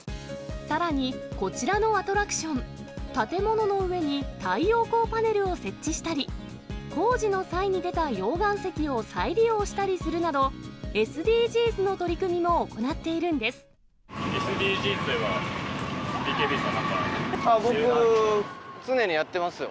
さらに、こちらのアトラクション、建物の上に太陽光パネルを設置したり、工事の際に出た溶岩石を再利用したりするなど、ＳＤＧｓの取り組ＳＤＧｓといえば、僕、常にやってますよ。